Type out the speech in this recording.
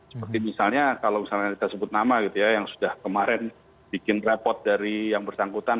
seperti misalnya kalau misalnya kita sebut nama gitu ya yang sudah kemarin bikin repot dari yang bersangkutan